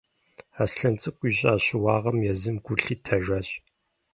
Аслъэн цӏыкӏу ищӏа щыуагъэм езым гу лъитэжащ.